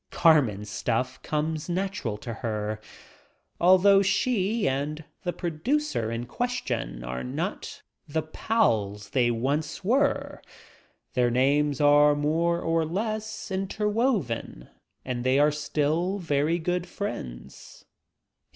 Carmen stuff comes natural to her. Al ■. though she and the producer in question are not the pals they once were, their names are more or less interwoven, and they are still very good friends.